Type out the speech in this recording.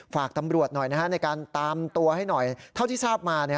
ฝากตำรวจหน่อยในการตามตัวให้หน่อยเท่าที่ทราบมา